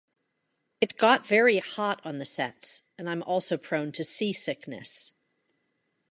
It got very hot on the sets, and I'm also prone to sea sickness.